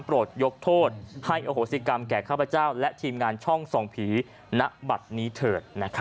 ยกโทษให้อโหสิกรรมแก่ข้าพเจ้าและทีมงานช่องส่องผีณบัตรนี้เถิด